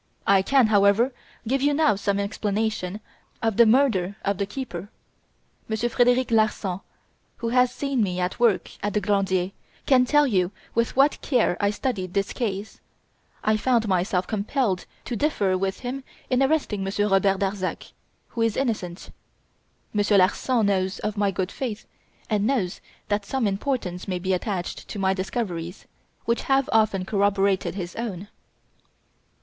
I can, however, give you now some explanation of the murder of the keeper. Monsieur Frederic Larsan, who has seen me at work at the Glandier, can tell you with what care I studied this case. I found myself compelled to differ with him in arresting Monsieur Robert Darzac, who is innocent. Monsieur Larsan knows of my good faith and knows that some importance may be attached to my discoveries, which have often corroborated his own."